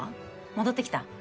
戻ってきたん？